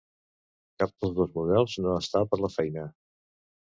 Cap dels dos models no està per la feina.